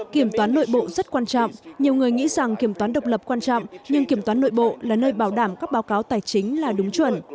kiểm toán nội bộ rất quan trọng nhiều người nghĩ rằng kiểm toán độc lập quan trọng nhưng kiểm toán nội bộ là nơi bảo đảm các báo cáo tài chính là đúng chuẩn